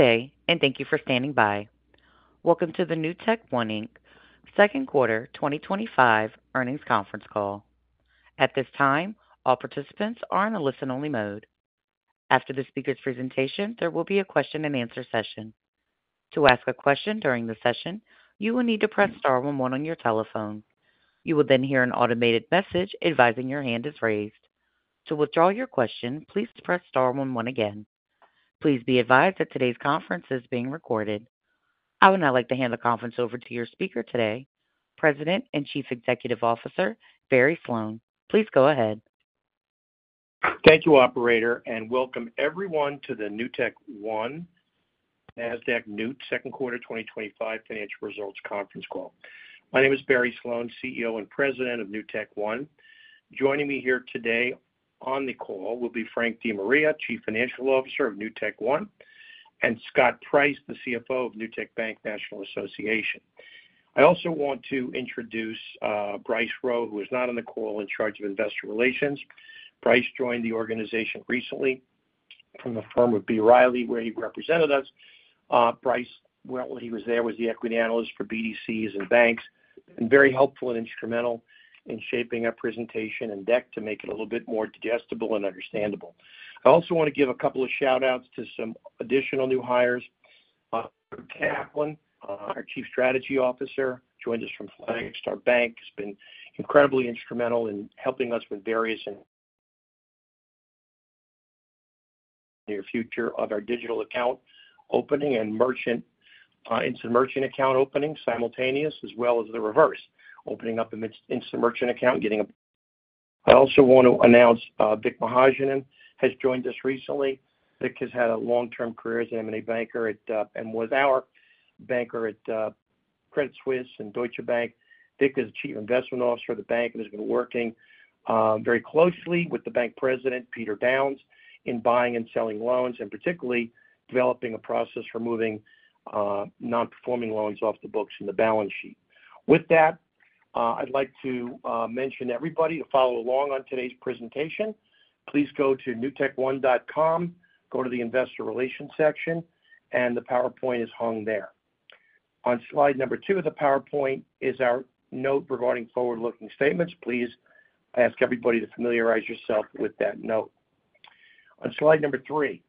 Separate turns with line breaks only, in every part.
Good day and thank you for standing by. Welcome to the NewtekOne, Inc. second quarter 2025 earnings conference call. At this time all participants are in a listen-only mode. After the speaker's presentation there will be a question and answer session. To ask a question during the session you will need to press star one one on your telephone. You will then hear an automated message advising your hand is raised. To withdraw your question, please press star one one again. Please be advised that today's conference is being recorded. I would now like to hand the conference over to your speaker today, President and Chief Executive Officer Barry Sloane. Please go ahead.
Thank you, operator, and welcome everyone to the NewtekOne Nasdaq NEWT second quarter 2025 financial results conference call. My name is Barry Sloane, CEO and President of NewtekOne. Joining me here today on the call will be Frank DeMaria, Chief Financial Officer of NewtekOne, and Scott Price, the CFO of Newtek Bank, National Association. I also want to introduce Bryce Rowe, who is not on the call, in charge of Investor Relations. Bryce joined the organization recently from the firm of B. Riley, where he represented us. Bryce, he was there with the equity analyst for BDCs and banks and very helpful and instrumental in shaping our presentation and deck to make it a little bit more digestible and understandable. I also want to give a couple of shout outs to some additional new hires. Andrew Kaplan, our Chief Strategy Officer joined us from Flagstar Bank, has been incredibly instrumental in helping us with various near future on our digital account opening and merchant into merchant account opening simultaneous as well as the reverse opening up an instant merchant account getting a. I also want to announce Vik Mahajanan has joined us recently. Vik has had a long-term career as an M&A banker and was our banker at Credit Suisse and Deutsche Bank. Vik is Chief Investment Officer of the bank and has been working very closely with the Bank President, Peter Downs, in buying and selling loans and particularly developing a process for moving non-performing loans off the books in the balance sheet. With that, I'd like to mention everybody to follow along on today's presentation. Please go to newtekone.com, go to the Investor Relations section, and the PowerPoint is hung there. On slide number two of the PowerPoint is our note regarding forward-looking statements. Please ask everybody to familiarize yourself with that note on slide number three.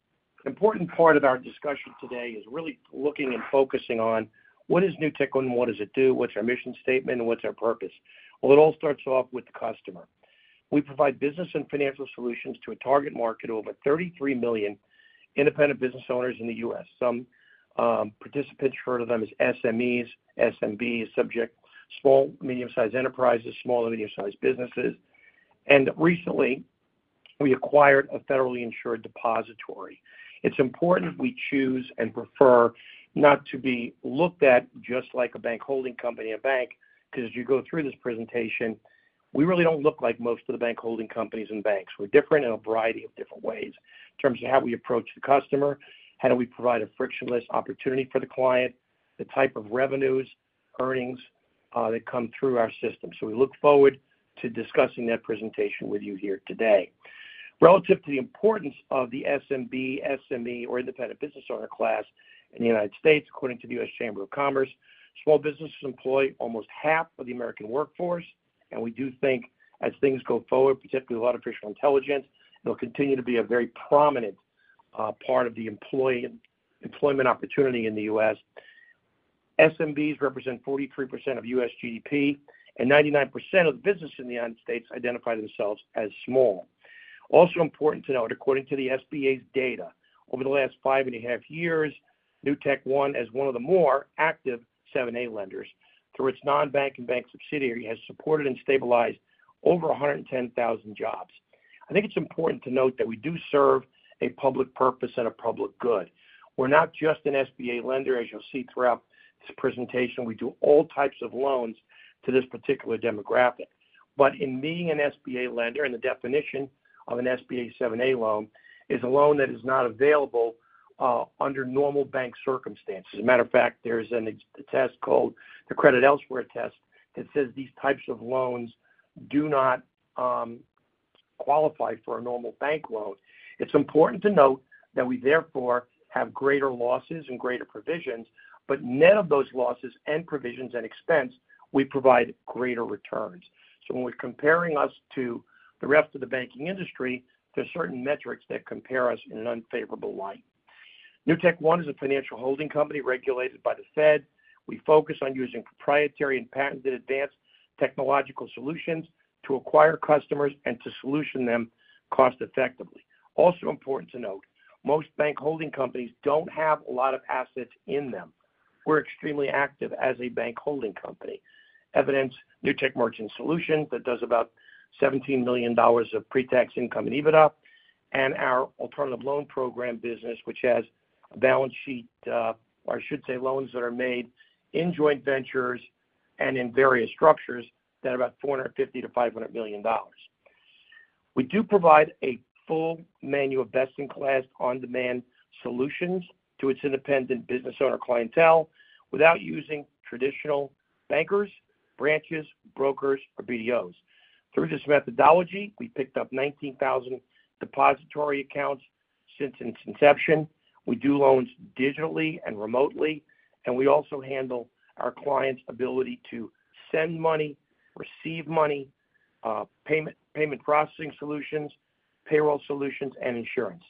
Important part of our discussion today is really looking and focusing on what is NewtekOne, what does it do, what's our mission statement, and what's our purpose. It all starts off with the customer. We provide business and financial solutions to a target market of over 33 million independent business owners in the U.S. Some participants refer to them as SMEs. SMB is subject small medium sized enterprises, small and medium sized businesses, and recently we acquired a federally insured depository. It's important we choose and prefer not to be looked at just like a bank holding company. A bank because as you go through this presentation, we really don't look like most of the bank holding companies and banks. We're different in a variety of different ways in terms of how we approach the customer, how do we provide a frictionless opportunity for the client, the type of revenues, earnings that come through our system. We look forward to discussing that presentation with you here today. Relative to the importance of the SMB, SME, or independent business owner class in the United States. According to the U.S. Chamber of Commerce, small businesses employ almost half of the American workforce. We do think as things go forward, particularly with artificial intelligence, they'll continue to be a very prominent part of the employment opportunity in the U.S. SMBs represent 43% of U.S. GDP and 99% of the business in the United States identify themselves as small. Also important to note, according to the SBA's data over the last five and a half years, NewtekOne as one of the more active 7(a) lenders through its non-bank and bank subsidiary has supported and stabilized over 110,000 jobs. I think it's important to note that we do serve a public purpose and a public good. We're not just an SBA lender as you'll see throughout this presentation, we do all types of loans to this particular demographic. In being an SBA lender and the definition of an SBA 7(a) loan is a loan that is not available under normal bank circumstances. As a matter of fact, there's a test called the credit elsewhere Test that says these types of loans do not qualify for a normal bank loan. It's important to note that we therefore have greater losses and greater provisions. Net of those losses and provisions and expense, we provide greater returns. When we're comparing us to the rest of the banking industry, there are certain metrics that compare us in an unfavorable light. NewtekOne is a financial holding company regulated by the Fed. We focus on using proprietary and patented advanced technological solutions to acquire customers and to solution them cost effectively. Also important to note, most bank holding companies don't have a lot of assets in them. We're extremely active as a bank holding company. Evidence Newtek Merchant Solutions that does about $17 million of pre-tax income and EBITDA. Our alternative loan program business, which has balance sheet or I should say loans that are made in joint ventures and in various structures, is about $450 million-$500 million. We do provide a full menu of best-in-class on-demand solutions to its independent business owner clientele without using traditional bankers, branches, brokers, or BDOs. Through this methodology, we picked up 19,000 depository accounts since its inception. We do loans digitally and remotely, and we also handle our clients' ability to send money, receive money, payment processing solutions, payroll solutions, and insurance.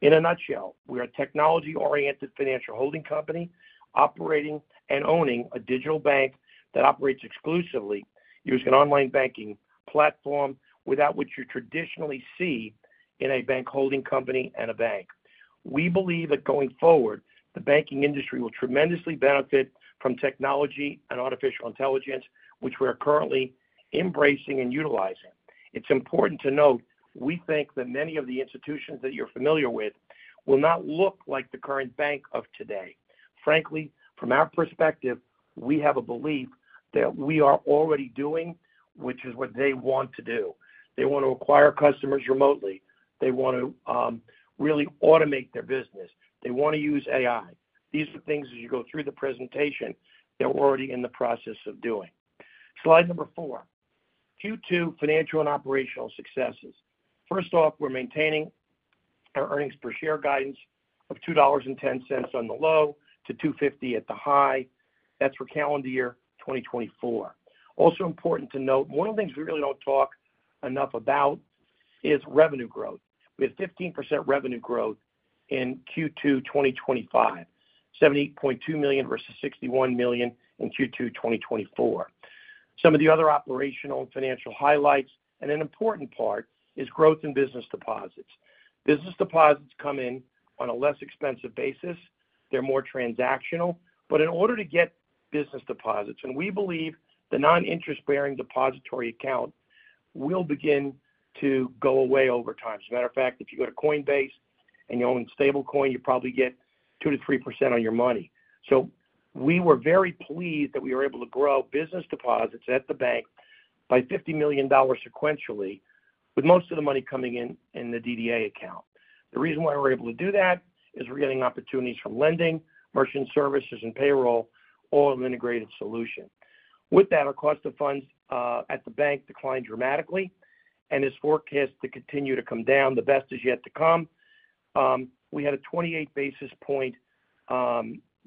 In a nutshell, we are a technology-oriented financial holding company operating and owning a digital bank that operates exclusively using an online banking platform without what you traditionally see in a bank holding company and a bank. We believe that going forward, the banking industry will tremendously benefit from technology and artificial intelligence, which we are currently embracing and utilizing. It's important to note, we think that many of the institutions that you're familiar with will not look like the current bank of today. Frankly, from our perspective, we have a belief that we are already doing what they want to do. They want to acquire customers remotely, they want to really automate their business, they want to use AI. These are things, as you go through the presentation, they're already in the process of doing. Slide number four, Q2 financial and operational successes. First off, we're maintaining our earnings per share guidance of $2.10 on the low to $2.50 at the highest. That's for calendar year 2024. Also important to note, one of the things we really don't talk enough about is revenue growth. We have 15% revenue growth in Q2 2025, $78.2 million versus $61 million in Q2 2024. Some of the other operational and financial highlights and an important part is growth in business deposits. Business deposits come in on a less expensive basis, they're more transactional. In order to get business deposits, and we believe the non-interest-bearing depository account will begin to go away over time. As a matter of fact, if you go to Coinbase and you own stablecoin, you probably get 2%-3% on your money. We were very pleased that we were able to grow business deposits at the bank by $50 million sequentially, with most of the money coming in in the DDA account. The reason why we're able to do that is we're getting opportunities from lending, merchant services, and payroll, all of an integrated solution. With that, our cost of funds at the bank declined dramatically and is forecast to continue to come down. The best is yet to come. We had a 28 basis point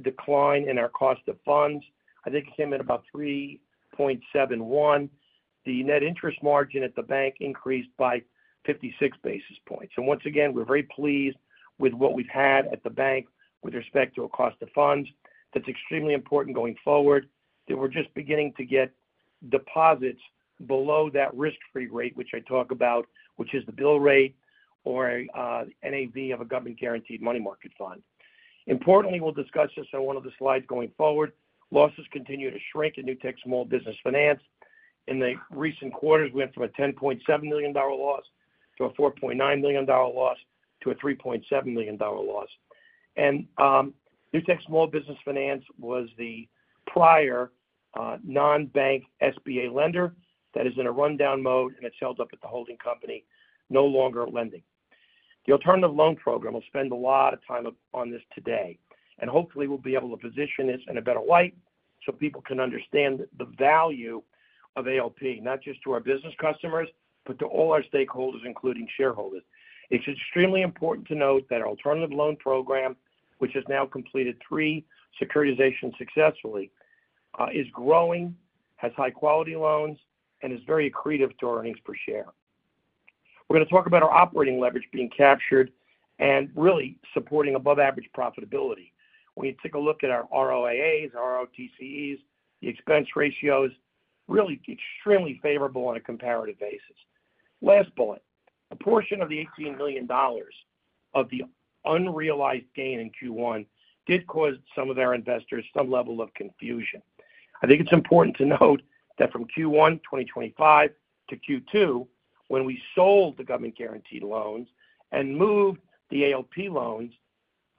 decline in our cost of funds. I think it came in about 3.71%. The net interest margin at the bank increased by 56 basis points. Once again, we're very pleased with what we've had at the bank with respect to a cost of funds. That's extremely important going forward, that we're just beginning to get deposits below that risk-free rate, which I talk about, which is the bill rate or NAV of a government guaranteed money market fund. Importantly, we'll discuss this on one of the slides going forward. Losses continue to shrink in Newtek Small Business Finance. In the recent quarters, we went from a $10.7 million loss to a $4.9 million loss to a $3.7 million loss. Newtek Small Business Finance was the prior non-bank SBA lender that is in a rundown mode, and it's held up at the holding company, no longer lending. The alternative loan program, we'll spend a lot of time applying on this today, and hopefully we'll be able to position this in a better light so people can understand the value of ALP not just to our business customers but to all our stakeholders, including shareholders. It's extremely important to note that our alternative loan program, which has now completed three securitizations successfully, is growing, has high quality loans, and is very accretive to earnings per share. We're going to talk about our operating leverage being captured and really supporting above average profitability. When you take a look at our ROA, ROTC, the expense ratios are really extremely favorable on a comparative basis. Last bullet, a portion of the $18 million of the unrealized gain in Q1 did cause some of our investors some level of confusion. I think it's important to note that from Q1 2025 to Q2, when we sold the government guaranteed loans and moved the ALP loans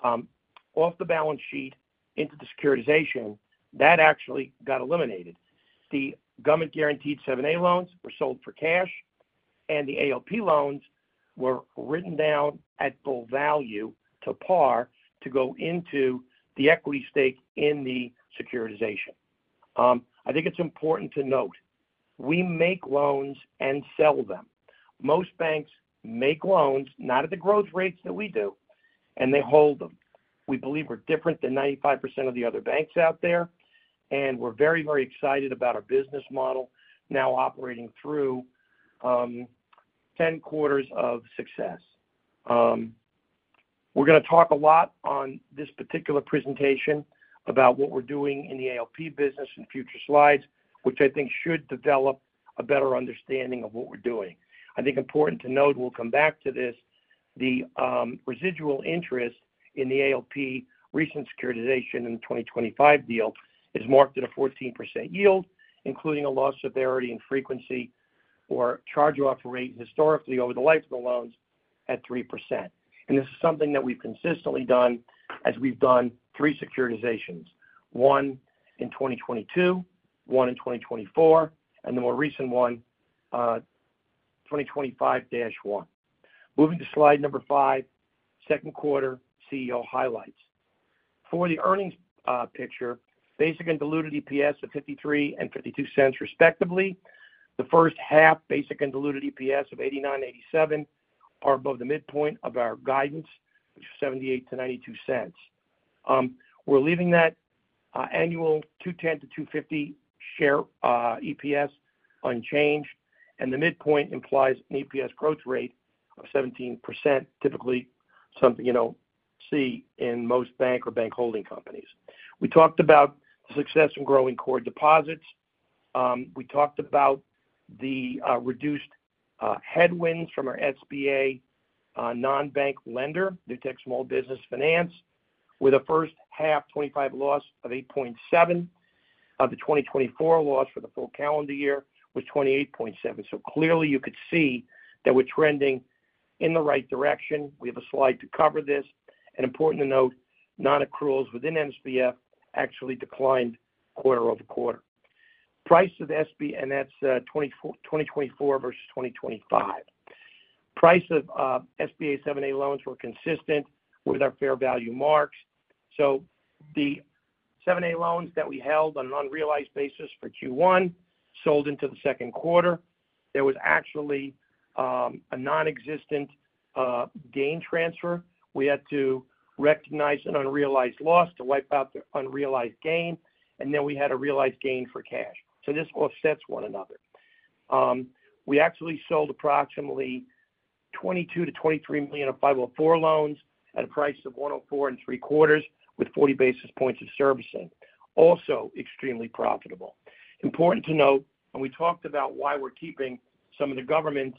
off the balance sheet into the securitization, that actually got eliminated. The government guaranteed 7(a) loans were sold for cash, and the ALP loans were written down at full value to par to go into the equity stake in the securitization. I think it's important to note we make loans and sell them. Most banks make loans not at the growth rates that we do, and they hold them. We believe we're different than 95% of the other banks out there and we're very, very excited about our business model now operating through 10 quarters of success. We're going to talk a lot on this particular presentation about what we're doing in the ALP business in future slides, which I think should develop a better understanding of what we're doing. I think important to note we'll come back to this, the residual interest in the ALP recent securitization in the 2025 deal is marked at a 14% yield, including a loss severity and frequency or charge-off rate historically over the life of the loans at 3%. This is something that we've consistently done as we've done three securitizations, one in 2022, one in 2024, and the more recent one, 2025-1. Moving to slide number five, second quarter CEO highlights for the earnings picture: basic and diluted EPS of $0.53 and $0.52, respectively. The first half basic and diluted EPS of $0.89 and $0.87 are above the midpoint of our guidance, which was $0.78-$0.92. We're leaving that annual $2.10-$2.50 per share EPS unchanged, and the midpoint implies an EPS growth rate of 17%, typically something you don't see in most bank or bank holding companies. We talked about the success in growing core deposits. We talked about the reduced headwinds from our SBA non-bank lender Newtek Small Business Finance, with a first half 2025 loss of $8.7 million. The 2024 loss for the full calendar year was $28.7 million. Clearly, you could see that we're trending in the right direction. We have a slide to cover this, and important to note non-accruals within SBF actually declined quarter over quarter. Price of SBA, and that's 2024 versus 2025 price of SBA 7(a) loans, were consistent with our fair value marks. The 7(a) loans that we held on an unrealized basis for Q1 sold into the second quarter, there was actually a non-existent gain transfer. We had to recognize an unrealized loss to wipe out the unrealized gain, and then we had a realized gain for cash. This offsets one another. We actually sold approximately $22 million-$23 million of 504 loans at a price of 104.75%, with 40 basis points of servicing. Also extremely profitable. Important to note, and we talked about why we're keeping some of the government's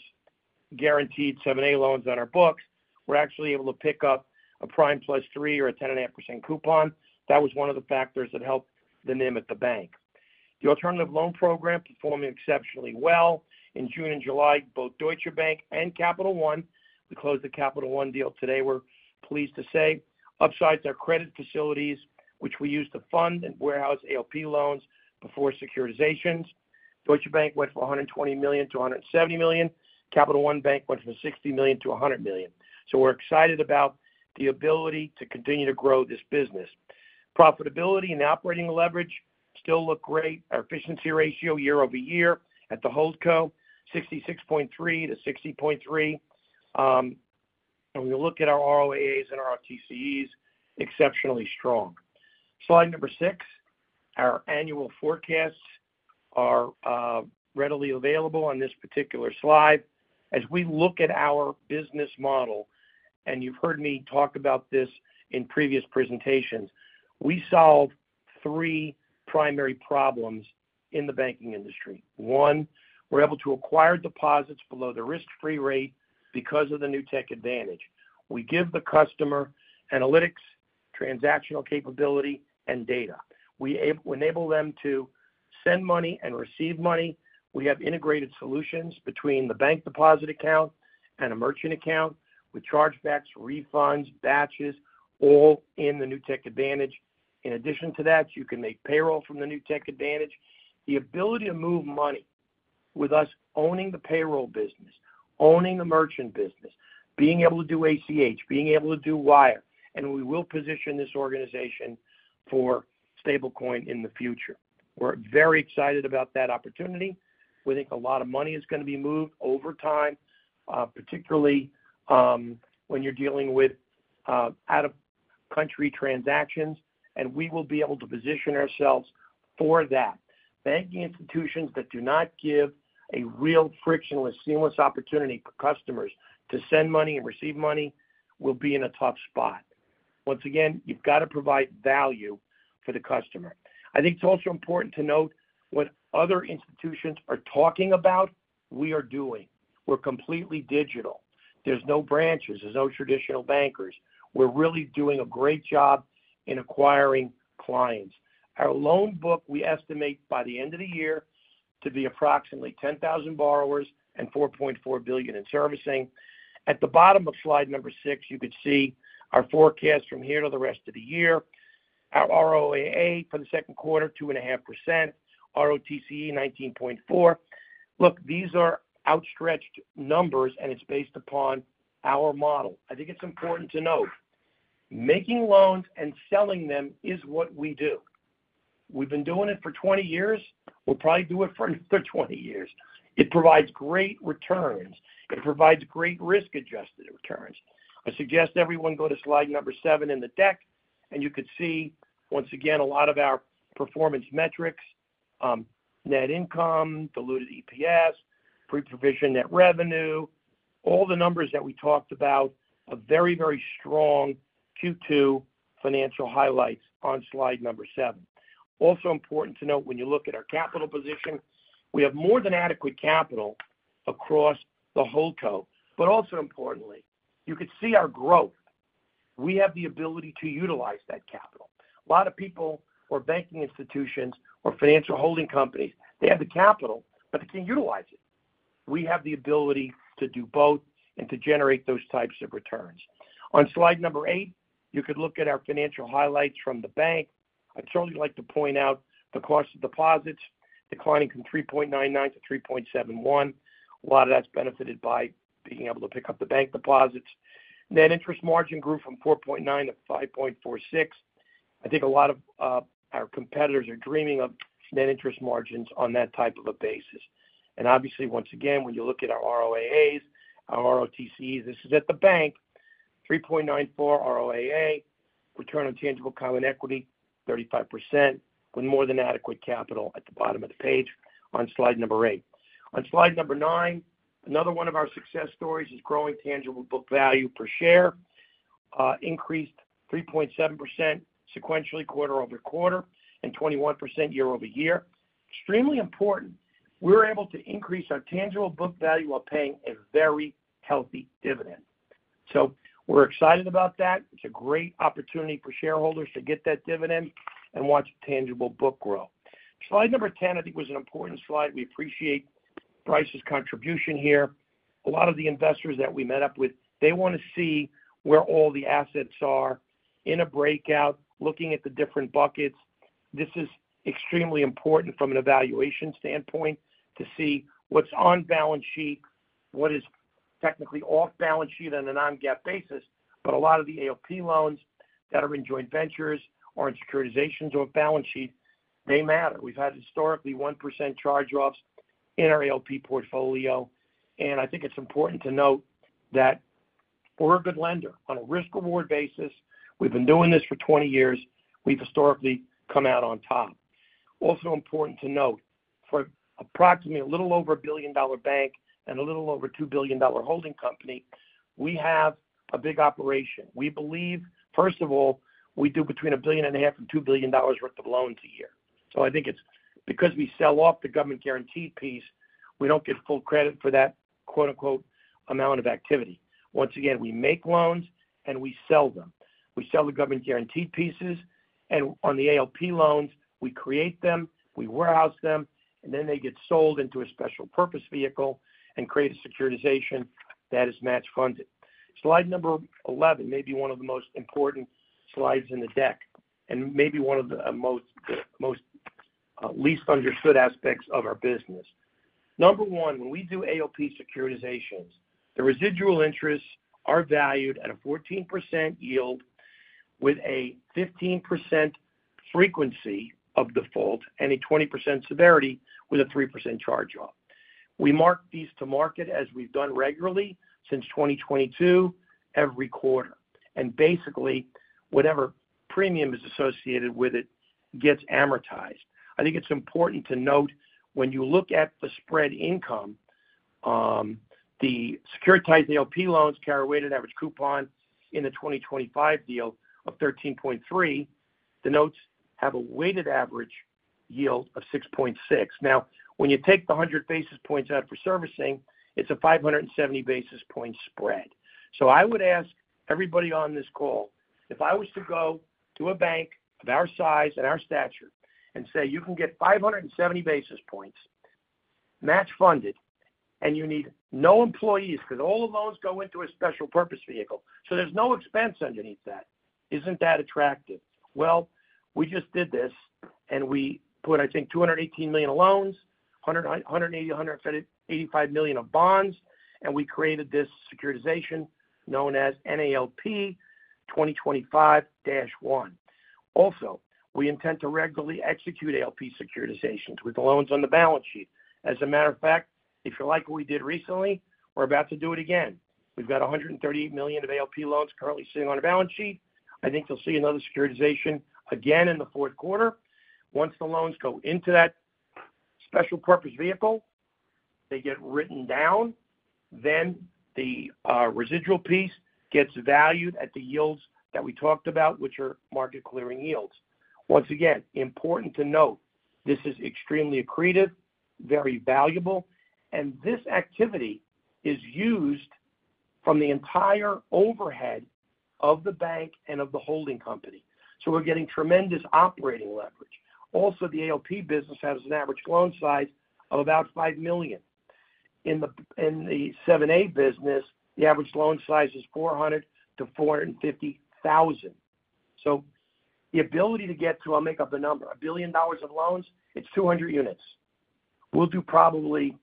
guaranteed 7(a) loans on our books, we're actually able to pick up a prime + 3% or a 10.5% coupon. That was one of the factors that helped the NIM at the bank, the alternative loan program performing exceptionally well. In June and July, both Deutsche Bank and Capital One, we closed the Capital One deal today. We're pleased to say upsized their credit facilities, which we use to fund and warehouse ALP loans before securitizations. Deutsche Bank went from $120 million to $270 million. Capital One Bank went from $60 million to $100 million. We're excited about the ability to continue to grow this business. Profitability and the operating leverage still look great. Our efficiency ratio year over year at the Holdco, 66.3% to 60.3%. We look at our ROAS and our TCE, exceptionally strong, slide number six. Our annual forecasts are readily available on this particular slide. As we look at our business model, and you've heard me talk about this in previous presentations, we solve three primary problems in the banking industry. One, we're able to acquire deposits below the risk-free rate because of the Newtek Advantage. We give the customer analytics, transactional capability, and data. We enable them to send money and receive money. We have integrated solutions between the bank deposit account and a merchant account with chargebacks, refunds, batches, all in the Newtek Advantage. In addition to that, you can make payroll from the Newtek Advantage. The ability to move money with us, owning the payroll business, owning the merchant business, being able to do ACH, being able to do wire, and we will position this organization for stablecoin in the future. We're very excited about that opportunity. We think a lot of money is going to be moved over time, particularly when you're dealing with out-of-country transactions, and we will be able to position ourselves for that. Banking institutions that do not give a real frictionless, seamless opportunity for customers to send money and receive money will be in a tough spot. Once again, you've got to provide value for the customer. I think it's also important to note what other institutions are talking about, we are doing. We're completely digital. There's no branches, there's no traditional bankers. We're really doing a great job in acquiring clients. Our loan book, we estimate by the end of the year to be approximately 10,000 borrowers and $4.4 billion in servicing. At the bottom of slide number six, you could see our forecast from here to the rest of the year. Our ROA for the second quarter, 2.5%. ROTC, 19.4%. Look, these are outstretched numbers and it's based upon our model. I think it's important to note making loans and selling them is what we do. We've been doing it for 20 years. We'll probably do it for 20 years. It provides great returns, it provides great risk-adjusted returns. I suggest everyone go to slide number seven in the deck and you could see once again a lot of our performance metrics. Net income, diluted EPS, pre-provision net revenue, all the numbers that we talked about. A very, very strong Q2 financial highlights on slide number seven. Also important to note when you look at our capital position, we have more than adequate capital across the whole company. Also importantly, you could see our growth. We have the ability to utilize that capital. A lot of people or banking institutions, we or financial holding companies, they have the capital but they can't utilize it. We have the ability to do both and to generate those types of returns. On slide number eight, you could look at our financial highlights from the bank. I'd certainly like to point out the cost of deposits declining from 3.99% to 3.71%. A lot of that's benefited by being able to pick up the bank deposits. Net interest margin grew from 4.9% to 5.46%. I think a lot of our competitors are dreaming of net interest margins on that type of a basis. Obviously, once again when you look at our ROAAs, our ROTC, this is at the bank. 3.94% ROAA, return on tangible common equity 35% with more than adequate capital at the bottom of the page on slide number eight. On slide number nine, another one of our success stories is growing tangible book value per share, increased 3.7% sequentially quarter-over-quarter and 21% year-over-year. Extremely important. We're able to increase our tangible book value while paying a very healthy dividend. We're excited about that. It's a great opportunity for shareholders to get that dividend and watch tangible book grow. Slide number 10 I think was an important slide. We appreciate Bryce's contribution here. A lot of the investors that we met up with, they want to see where all the assets are in a breakout. Looking at the different buckets, this is extremely important from an evaluation standpoint to see what's on balance sheet, what is technically off balance sheet on a non-GAAP basis. A lot of the ALP loans that are in joint ventures or in securitizations or balance sheet, they matter. We've had historically 1% charge-offs in our ALP portfolio. I think it's important to note that we're a good lender on a risk reward basis. We've been doing this for 20 years. We've historically come out on top. Also important to note for approximately a little over a $1 billion bank and a little over $2 billion holding company. We have a big operation. We believe first of all we do between $1.5 billion and $2 billion worth of loans a year. I think it's because we sell off the government guaranteed piece, we don't get full credit for that "amount of activity." Once again we make loans and we sell them. We sell the government guaranteed pieces and on the ALP loans we create them, we warehouse them and then they get sold into a special purpose vehicle and create a securitization that is match funded. Slide number 11 may be one of the most important slides in the deck and maybe one of the most, most least understood aspects of our business. Number one, when we do ALP securitizations the residual interests are valued at a 14% yield with a 15% frequency of default and a 20% severity with a 3% charge-off. We mark these to market as we've done regularly since 2022 every quarter. Basically whatever premium is associated with it gets amortized. I think it's important to note when you look at the spread income the securitized LP loans carry weighted average coupon in the 2025 deal of 13.3%, denotes have a weighted average yield of 6.6%. Now when you take the 100 basis points out for servicing, it's a 570 basis point spread. I would ask everybody on this call if I was to go to a bank our size and our statute and say you can get 570 basis points match funded and you need no employees because all the loans go into a special purpose vehicle. There's no expense underneath. Isn't that attractive? We just did this and we put I think $218 million loans, $180 million, $185 million of bonds and we created this securitization known as NALP 2025-1. Also we intend to regularly execute ALP securitizations with the loans on the balance sheet. As a matter of fact, if you like what we did recently, we're about to do it again. We've got $138 million of ALP loans currently sitting on a balance sheet. I think you'll see another securitization again in the fourth quarter. Once the loans go into that special purpose vehicle, they get written down. Then the residual piece gets valued at the yields that we talked about which are market clearing yields. Once again, important to note, this is extremely accretive, very valuable. This activity is used from the entire overhead of the bank and of the holding company. We're getting tremendous operating leverage. Also, the ALP business has an average loan size of about $5 million. In the 7(a) business, the average loan size is $400,000-$450,000. The ability to get through, I'll make up the number, $1 billion of loans, it's 200 units. We'll do probably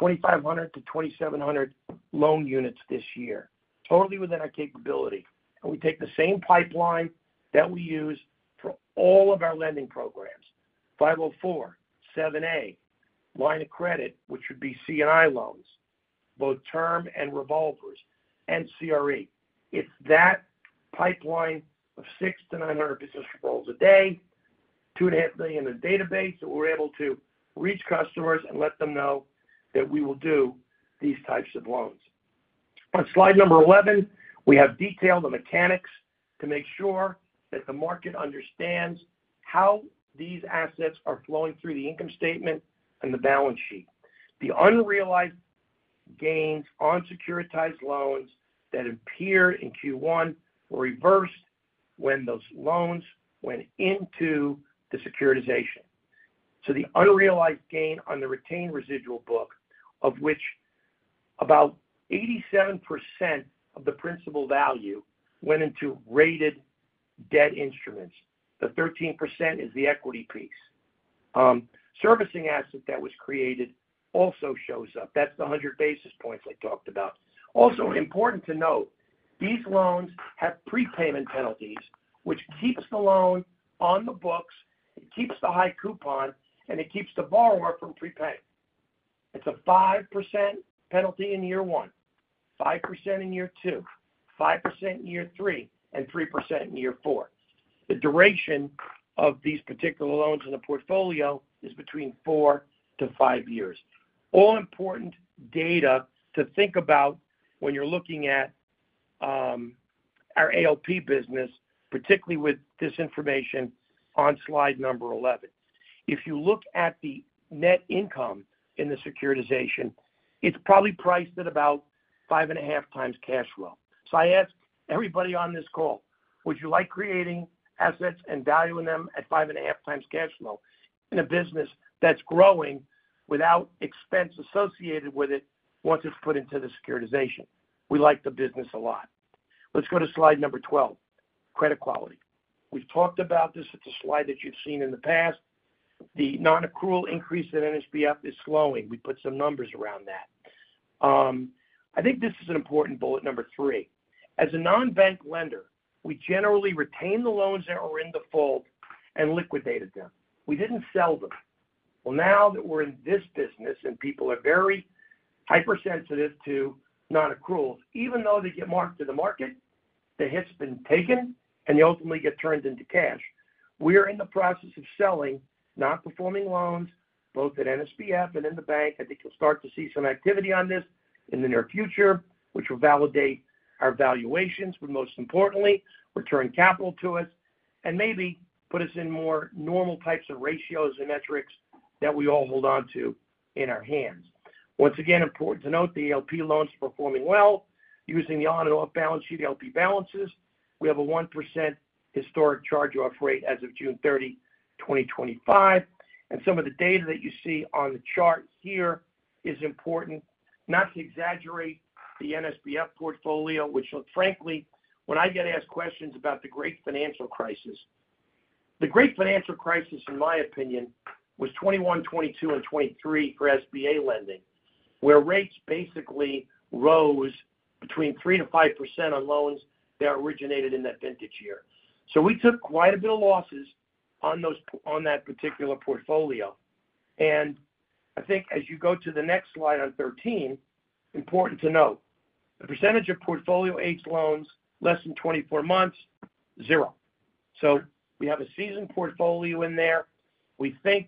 2,500-2,700 loan units this year, totally within our capability. We take the same pipeline that we use for all of our lending programs: 504, 7(a) line of credit, which would be C&I loans, both term and revolvers, and CRE. If that pipeline of 600-900 rolls a day, $2.5 billion in the database, we're able to reach customers and let them know that we will do these types of loans. On slide number 11, we have detailed the mechanics to make sure that the market understands how these assets are flowing through the income statement and the balance sheet. The unrealized gains on securitized loans that appear in Q1 were reversed when those loans went into the securitization. The unrealized gain on the retained residual book, of which about 87% of the principal value went into rated debt instruments, the 13% is the equity piece servicing asset that was created, also shows up. That's the 100 basis points I talked about. Also important to note, these loans have prepayment penalties, which keeps the loan on the books, keeps the high coupon, and it keeps the borrower from prepaying. It's a 5% penalty in year one, 5% in year two, 5% in year three, and 3% in year four. The duration of these particular loans in the portfolio is between four and five years. All important data to think about when you're looking at our ALP business, particularly with this information. On slide number 11, if you look at the net income in the securitization, it's probably priced at about 5.5x cash flow. I ask everybody on this call, would you like creating assets and value in them at 5.5x cash flow in a business that's growing without expense associated with it once it's put into the securitization? We like the business a lot. Let's go to slide number 12, credit quality. We've talked about this. It's a slide that you've seen in the past. The non-accrual increase in NHBF is slowing. We put some numbers around that. I think this is an important bullet number three. As a non-bank lender, we generally retain the loans that are in default and liquidate them; we didn't sell them well. Now that we're in this business and people are very hypersensitive to non-accrual, even though they get marked to the market, the hit's been taken and they ultimately get turned into cash. We're in the process of selling non-performing loans both at NSBF and in the bank. I think you'll start to see some activity on this in the near future, which will validate our valuations. Most importantly, we'll return capital to us and maybe put us in more normal types of ratios and metrics that we all hold onto in our hands. Once again, important to note the LP loans performing well. Using the on and off balance sheet LP balances, we have a 1% historic charge-off rate as of June 30, 2025. Some of the data that you see on the chart here is important not to exaggerate the NSBF portfolio, which frankly, when I get asked questions about the great financial crisis, the great financial crisis in my opinion was 2021, 2022, and 2023 for SBA lending, where rates basically rose between 3%-5% on loans that originated in that vintage year. We took quite a bit of losses on those, on that particular portfolio. I think as you go to the next slide on 13, important to note the percentage of portfolio aged loans less than 24 months: zero. We have a seasoned portfolio in there. We think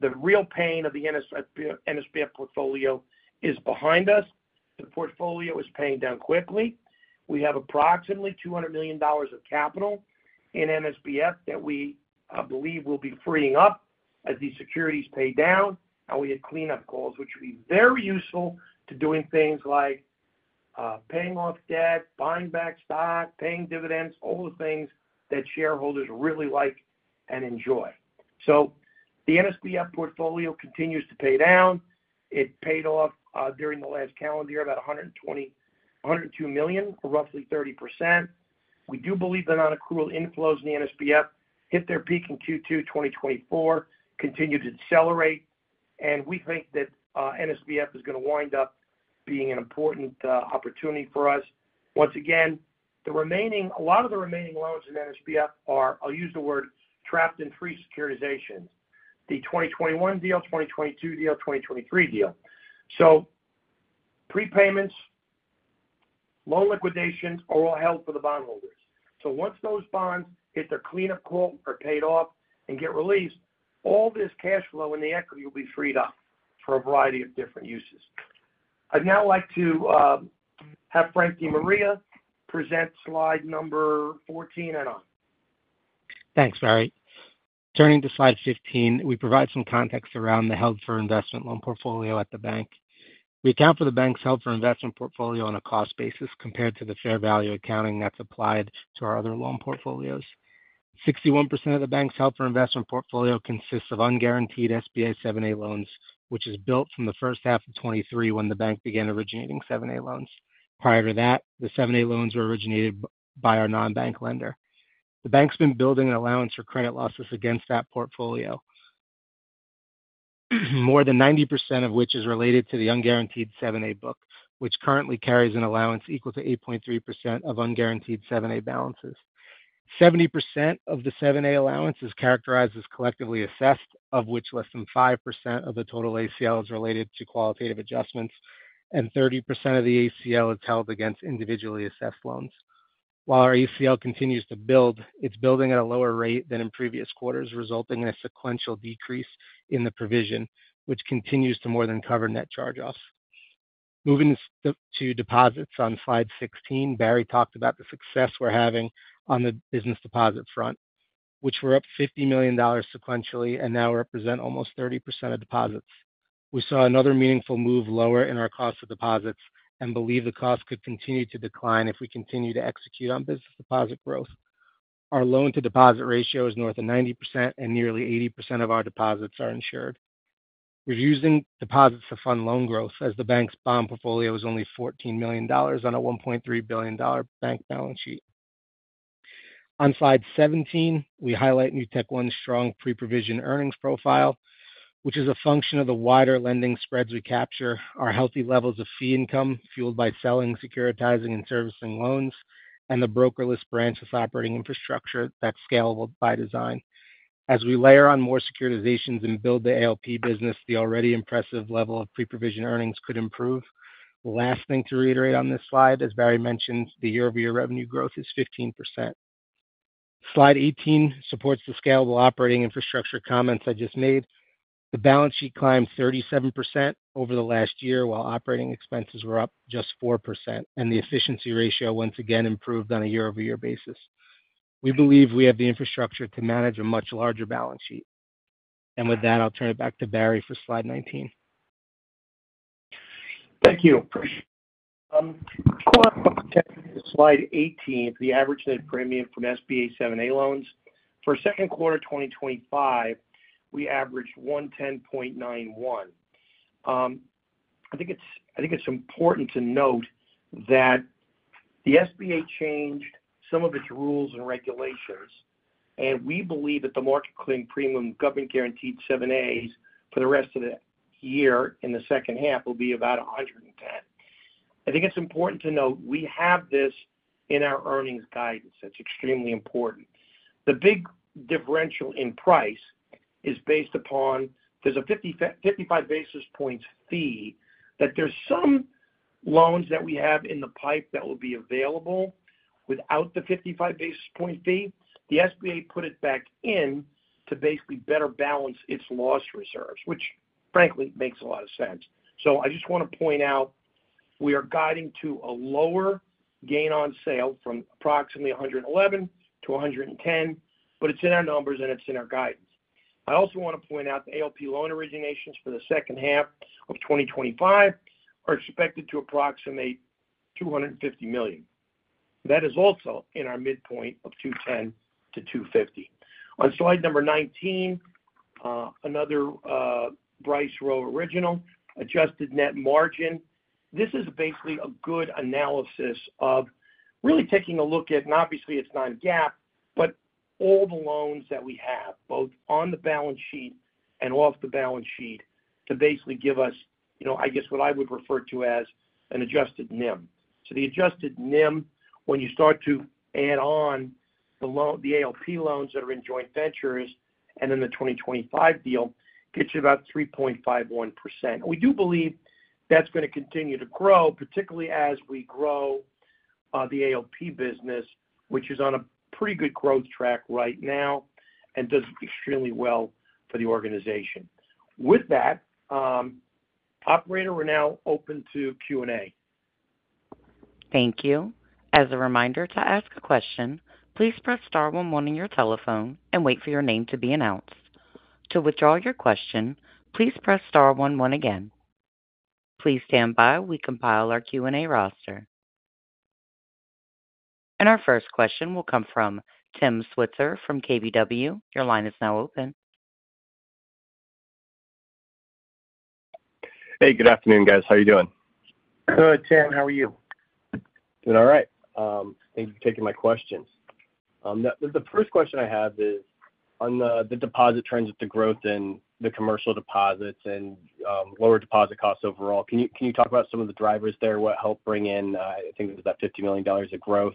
the real pain of the NSBF portfolio is behind us. The portfolio is paying down quickly. We have approximately $200 million of capital in NSBF that we, I believe, will be freeing up as these securities pay down. We have cleanup calls, which will be very useful to doing things like paying off debt, buying back stock, paying dividends, all the things that shareholders really like and enjoy. The NSBF portfolio continues to pay down. It paid off during the last calendar year about $102 million, roughly 30%. We do believe the non-accrual inflows in the NSBF hit their peak in Q2 2024, continue to accelerate, and we think that NSBF is going to wind up being an important opportunity for us once again. A lot of the remaining loans in NSBF are, I'll use the word trapped, in pre-securitization, the 2021 deal, 2022 deal, 2023 deal. Prepayments, loan liquidation, or held for the bondholders. Once those bonds hit their cleanup quote, are paid off and get released. All this cash flow and the equity will be freed up for a variety of different uses. I'd now like to have Frank DeMaria present slide number 14 and on.
Thanks Barry. Turning to slide 15, we provide some context around the held for investment loan portfolio at the bank. We account for the bank's held for investment portfolio on a cost basis compared to the fair value accounting that's applied to our other loan portfolios. 61% of the bank's held for investment portfolio consists of unguaranteed SBA 7(a) loans, which is built from 1H 2023 when the bank began originating 7(a) loans. Prior to that, the 7(a) loans were originated by our non-bank lender. The bank's been building an allowance for credit losses against that portfolio, more than 90% of which is related to the unguaranteed 7(a) book, which currently carries an allowance equal to 8.3% of unguaranteed 7(a) balances. 70% of the 7(a) allowance is characterized as collectively assessed, of which less than 5% of the total ACL is related to qualitative adjustments, and 30% of the ACL is held against individually assessed loans. While our ACL continues to build, it's building at a lower rate than in previous quarters, resulting in a sequential decrease in the provision, which continues to more than cover net charge-offs. Moving to deposits on slide 16, Barry talked about the success we're having on the business deposit front, which were up $50 million sequentially and now represent almost 30% of deposits. We saw another meaningful move lower in our cost of deposits and believe the cost could continue to decline if we continue to execute on business deposit growth. Our loan to deposit ratio is north of 90%, and nearly 80% of our deposits are insured. We're using deposits to fund loan growth as the bank's bond portfolio is only $14 million on a $1.3 billion bank balance sheet. On slide 17, we highlight NewtekOne's strong pre-provision earnings profile, which is a function of the wider lending spreads. We capture our healthy levels of fee income fueled by selling, securitizing, and servicing loans and the brokerless, branchless operating infrastructure that's scalable by design. As we layer on more securitizations and build the ALP business, the already impressive level of pre-provision earnings could improve. Last thing to reiterate on this slide, as Barry mentioned, the year-over-year revenue growth is 15%. Slide 18 supports the scalable operating infrastructure. Comments I just made, the balance sheet climbed 37% over the last year while operating expenses were up just 4%. The efficiency ratio once again improved on a year-over-year basis. We believe we have the infrastructure to manage a much larger balance sheet. With that, I'll turn it back to Barry for slide 19.
Thank you. Slide 18. The average net premium from SBA 7(a) loans for second quarter 2025, we averaged 110.91. I think it's important to note that the SBA changed some of its rules and regulations, and we believe that the market claim premium, government guaranteed 7(a)s for the rest of the year in the second half will be about 110. I think it's important to note we have this in our earnings guidance; that's extremely important. The big differential in price is based upon there's a 55 basis points. See that there's some loans that we have in the pipe that will be available without the 55 basis point fee. The SBA put it back in to basically better balance its loss reserves, which frankly makes a lot of sense. I just want to point out we are guiding to a lower gain on sale from approximately 111 to 110. It's in our numbers and it's in our guidance. I also want to point out the ALP loan originations for the second half of 2025 are expected to approximate $250 million. That is also in our midpoint of $210 million-$250 million. On slide number 19, another Bryce Rowe original adjusted net margin. This is basically a good analysis of really taking a look at, and obviously it's non-GAAP, but all the loans that we have both on the balance sheet and off the balance sheet to basically give us, you know, I guess what I would refer to as an adjusted NIM. The adjusted NIM, when you start to add on the ALP loans that are in joint ventures and then the 2025 deal, gets you about 3.51%. We do believe that's going to continue to grow, particularly as we grow the ALP business, which is on a pretty good growth track right now and does extremely well for the organization. With that, operator, we're now open to Q and A.
Thank you. As a reminder, to ask a question, please press star one one on your telephone and wait for your name to be announced. To withdraw your question, please press star one one again. Please stand by as we compile our Q and A roster. Our first question will come from Tim Switzer from KBW. Your line is now open.
Hey, good afternoon guys. How are you doing?
Good, Tim, how are you doing?
All right, thanks for taking my questions. The first question I have is on the deposit trends with the growth and the commercial deposits and lower deposit costs overall. Can you talk about some of the drivers there? What helped bring in I think about $50 million of growth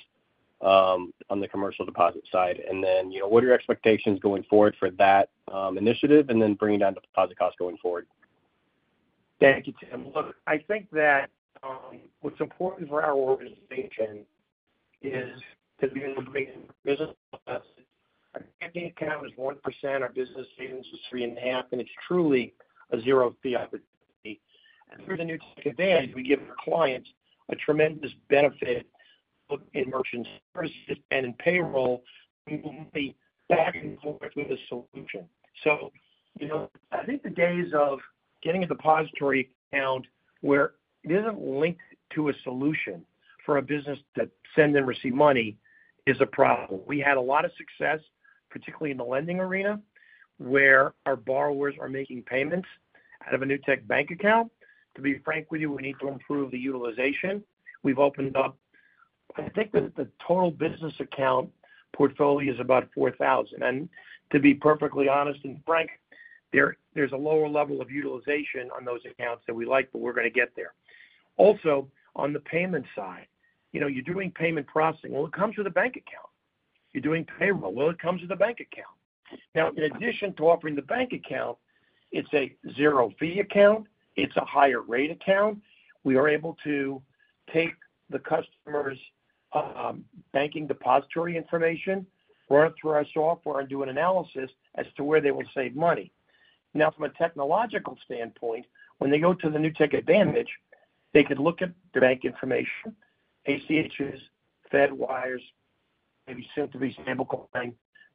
on the commercial deposit side, and then what are your expectations going forward for that initiative and then bringing down the deposit costs going forward?
Thank you, Tim. I think that what's important for our organization is to be in the grade as it is 1%. Our business savings is 3.5% and it's truly a zero fee opportunity. Through the Newtek Advantage we give clients a tremendous benefit in merchant services and in payroll. People back and forth with this solution. I think the days of getting a depository found where it isn't linked to a solution for a business that sends and receives money is a problem. We had a lot of success, particularly in the lending arena, where our borrowers are making payments out of a Newtek Bank account. To be frank with you, we need to improve the utilization we've opened up. I think the total business account portfolio is about 4,000. To be perfectly honest and frank, there's a lower level of utilization on those accounts than we like, but we're going to get there. Also, on the payment side, you're doing payment processing. It comes with a bank account. You're doing payroll. It comes with a bank account. Now, in addition to offering the bank account, it's a zero fee account, it's a higher rate account. We are able to take the customer's banking depository information, run it through our software, and do an analysis as to where they will save money. From a technological standpoint, when they go to the Newtek Advantage, they could look at the bank information, ACHs, Fed wires, maybe send a fee stablecoin.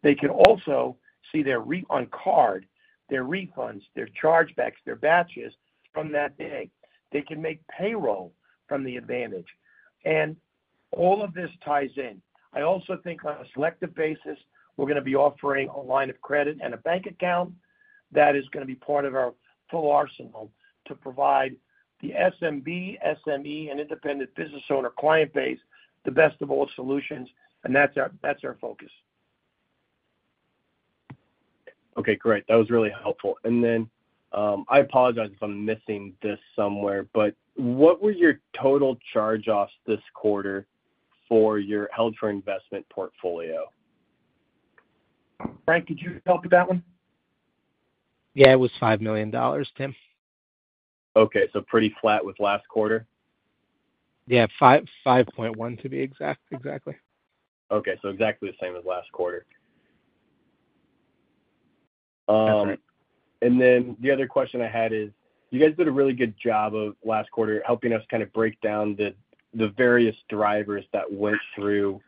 They can also see their on card, their refunds, their chargebacks, their batches. From that day they can make payroll from the Advantage. All of this ties in. I also think on a selective basis we're going to be offering a line of credit and a bank account that is going to be part of our full arsenal to provide the SMB, SME, and independent business owner client base the best of all solutions. That's our focus.
Okay, great. That was really helpful, and I apologize if I'm missing this somewhere, but. What were your total charge-offs this. Quarter for your held for investment portfolio?
Frank, did you help with that one?
Yeah, it was $5 million, Tim.
Okay, so pretty flat with last quarter.
Yeah, $5.1 million to be exact. Exactly.
Okay, exactly the same as last quarter. The other question I had. You guys did a really good. Job of last quarter, helping us kind of break down the various drivers that went through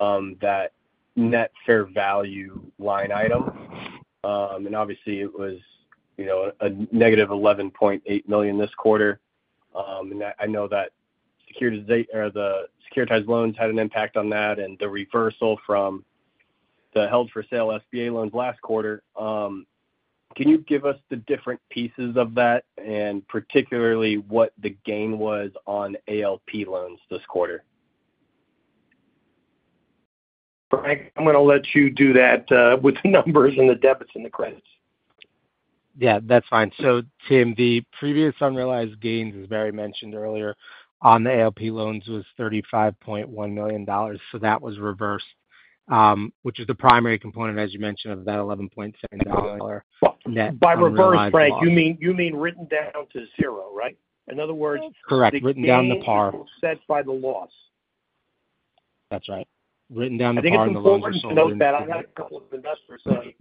that net fair value line item. Obviously, it was a negative $11.8 million this quarter. I know that securitization or the securitized loans had an impact on that, and the reversal from the held for sale SBA loans last quarter. Can you give us the different pieces Of that and particularly what the gain was on ALP loans this quarter?
Frank, I'm going to let you do that with the numbers and the debits and the credits.
That's fine. Tim, the previous unrealized gains, as Barry mentioned earlier on the ALP loans, was $35.1 million. That was reversed, which is the primary component, as you mentioned, of that. $11.7 net
by reverse. Frank, you mean written down to zero, right? In other words,
Correct. Written down to par
Which means set by the loss.
That's right. Written down to par.
I think it's important to know that I had a couple of investors actually